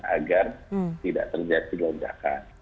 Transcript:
agar tidak terjadi dojaka